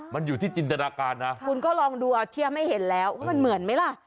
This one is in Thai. มันอยู่ที่จินตนาการนะคุณก็ลองดูเอาเทียบให้เห็นแล้วว่ามันเหมือนไหมล่ะ